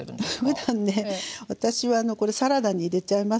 ふだんね私はこれサラダに入れちゃいますね。